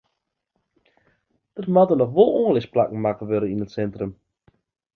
Der moatte noch oanlisplakken makke wurde yn it sintrum.